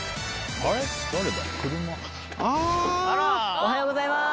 おはようございます。